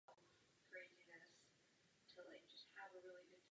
Na prstech má měkké polštářky a malé ostré drápky pro pohyb na kůře.